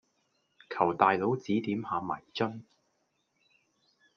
求大佬指點下迷津